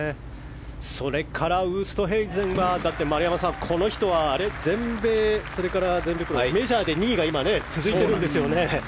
それからウーストヘイゼンは丸山さん、この人は全米、メジャーで２位が続いているんですよね。